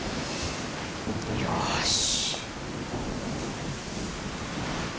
よし。